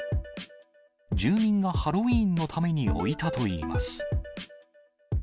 住民がハロウィーンのために置いたといいます。